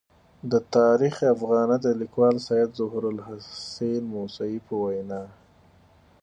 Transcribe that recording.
د تاریخ افاغنه د لیکوال سید ظهور الحسین موسوي په وینا.